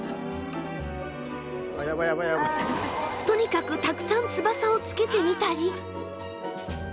とにかくたくさん翼をつけてみたり。